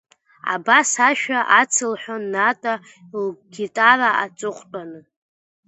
Абас ашәа ацылҳәон Ната лгитара аҵыхәтәаны…